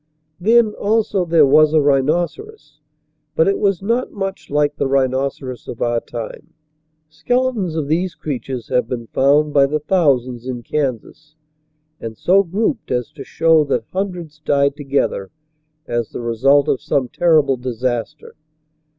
Then, also, there was a rhinoceros, but it was not much like the rhinoceros of our time. Skeletons of these creatures have been found by the thousands in Kansas, and so grouped as to show that hundreds died together as the result of some terrible disaster.